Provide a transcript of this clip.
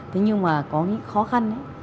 thế nhưng mà có những khó khăn